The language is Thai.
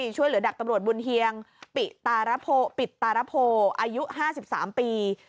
ช่วยเหลือดับตำรวจบุญเฮียงปิตตารโพอายุ๕๓ปี